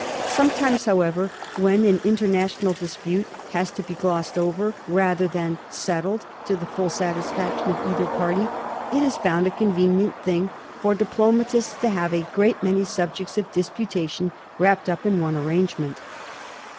Sometimes, however, when an inter national dispute has to be glossed over, rather than set tled, to the full satisfaction of either party, it is found a convenient thing for diplomatists to have a great many subjects of disputation wrapped up in one arrangement.